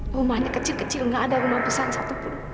rumahnya kecil kecil gak ada rumah besar satupun